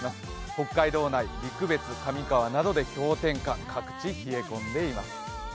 北海道内、陸別、上川など各地、冷え込んでいます。